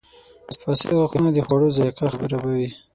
• فاسد غاښونه د خوړو ذایقه خرابوي.